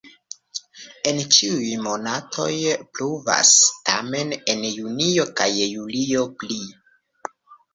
En ĉiuj monatoj pluvas, tamen en junio kaj julio pli.